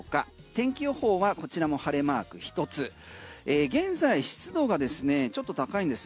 天気予報はこちらも晴れマーク１つ現在湿度がですねちょっと高いんです。